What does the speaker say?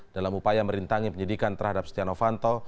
dalam upaya merintangi penyidikan terhadap stiano vanto